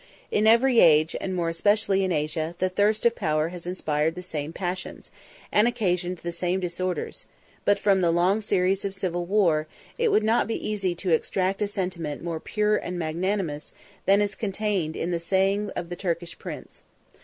In every age, and more especially in Asia, the thirst of power has inspired the same passions, and occasioned the same disorders; but, from the long series of civil war, it would not be easy to extract a sentiment more pure and magnanimous than is contained in the saying of the Turkish prince.